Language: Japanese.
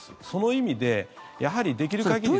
その意味でやはりできる限り。